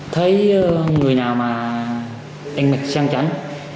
thấy người nào mà anh mệt sang tránh